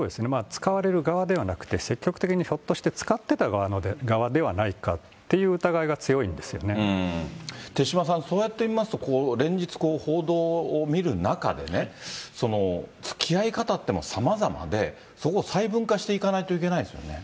使われる側ではなくて、積極的にひょっとして使ってた側ではないかっていう疑いが強いん手嶋さん、そうやって見ますと、連日報道を見る中でね、つきあい方ってさまざまで、そこ、細分化していかないといけないですよね。